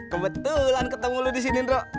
kebetulan ketemu lu disini nro